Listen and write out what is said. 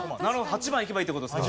８番いけばいいって事ですか。